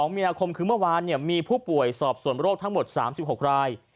มีนาคมคือเมื่อวานมีผู้ป่วยสอบส่วนโรคทั้งหมด๓๖ราย